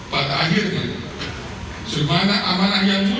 pada akhirnya semana amanah yang muncul